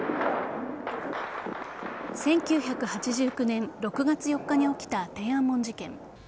１９８９年６月４日に起きた天安門事件。